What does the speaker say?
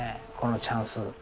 このチャンス。